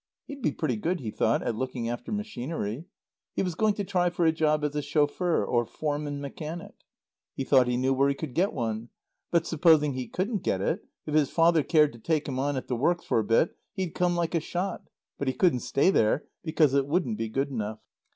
He'd be pretty good, he thought, at looking after machinery. He was going to try for a job as a chauffeur or foreman mechanic. He thought he knew where he could get one; but supposing he couldn't get it, if his father cared to take him on at the works for a bit he'd come like a shot; but he couldn't stay there, because it wouldn't be good enough.